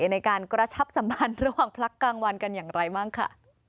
ในการกระชับสัมพันธ์ระหว่างพักกลางวันกันอย่างไรบ้างค่ะ